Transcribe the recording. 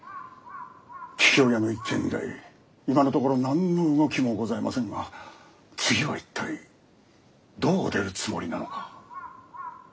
桔梗屋の一件以来今のところ何の動きもございませぬが次は一体どう出るつもりなのか？